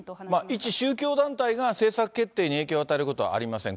一宗教団体が政策決定に影響を与えることはありません。